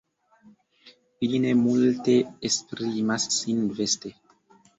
Ili ne multe esprimas sin veste.